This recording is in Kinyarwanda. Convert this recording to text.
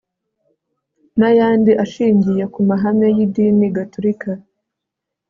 n ayandi ashingiye ku mahame y idini gatulika